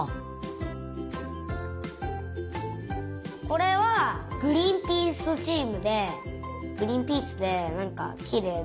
これはグリンピースチームでグリンピースでなんかきれいで。